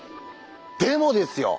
でもですよ